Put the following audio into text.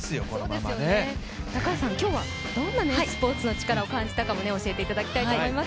今日はどんなスポーツのチカラを感じたか教えていただけたらと思います。